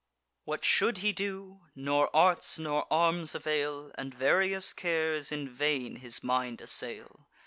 What should he do! Nor arts nor arms avail; And various cares in vain his mind assail.